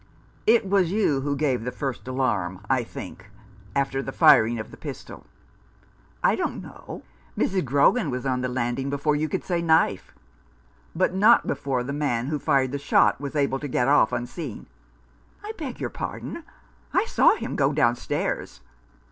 " It was you who gave the first alarm, I think, after the firing of the pistol ?" "I don't know. Mrs. Grogan was on the land ing before you could say knife." " But not before the man who fired the shot was able to get off unseen ?"" I beg your pardon, I saw him go down stairs."